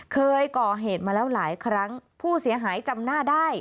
เคยก่อเหตุมาแล้วหลายครั้งผู้เสียหายจำหน้าได้